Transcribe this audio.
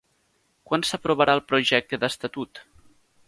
Quan s'aprovarà el projecte d'estatut?